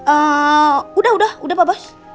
eh udah udah udah pak bos